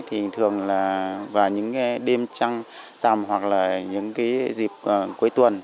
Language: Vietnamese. thì thường là vào những đêm trăng tầm hoặc là những cái dịp cuối tuần